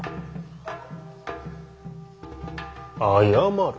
謝る。